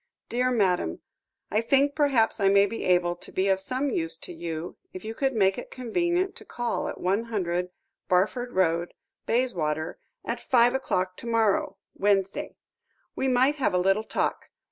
"DEAR MADAM, "I think perhaps I may be able to be of some use to you if you could make it convenient to call at 100, Barford Road, Bayswater, at five o'clock to morrow (Wednesday). We might have a little talk.